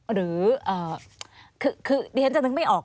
หรือคือดิฉันจะนึกไม่ออก